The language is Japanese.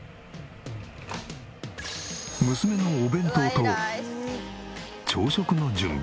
娘のお弁当と朝食の準備。